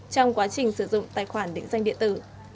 trong quá trình sử dụng tài khoản định danh điện tử